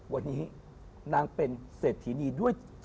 วันนี้นางเป็นเศรษฐีนีด้วย